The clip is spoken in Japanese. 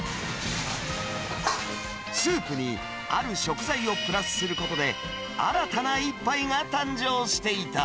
スープにある食材をプラスすることで、新たな一杯が誕生していた。